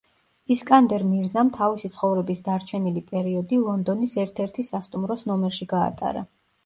ისკანდერ მირზამ თავისი ცხოვრების დარჩენილი პერიოდი ლონდონის ერთ-ერთი სასტუმროს ნომერში გაატარა.